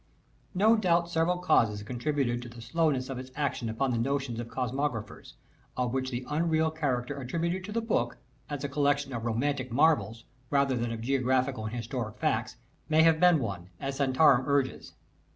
No doubt several causes contributed to the slowness of its action upon the notions of Cosmographers, of which the unreal character attributed to the Book, as a collection of romantic marvels rather than of geographical and historical facts, may have been one, as Santarem urges.